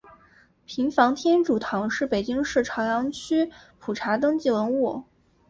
平房天主堂是北京市朝阳区普查登记文物。